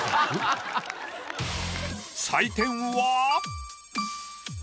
採点は。